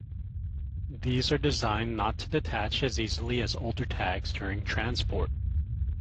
These are designed not to detach as easily as older tags during transport.